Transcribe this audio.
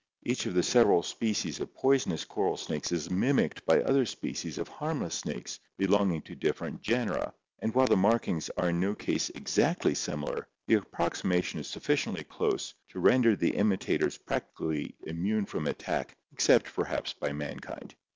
Each of the sev eral species of poisonous coral snakes is mimicked by other species of harmless snakes belonging to different genera, and while the markings are in no case exactly similar, the approximation is suf ficiently close to render the imitators practically immune from at tack except perhaps by mankind.